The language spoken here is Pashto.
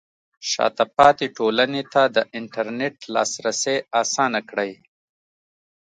شاته پاتې ټولنې ته د انټرنیټ لاسرسی اسانه کړئ.